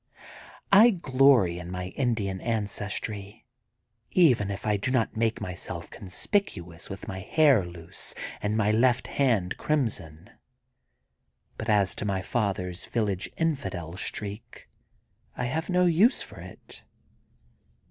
I glory in my Indian ancestry, even if I do not make myself conspicuous with my hair looi^ and my left hand crimson. But as to my father ^s village infidel streak, I have no use for it.